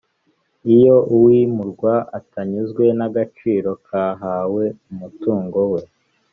Iyo uwimurwa atanyuzwe n’ agaciro kahawe umutungo we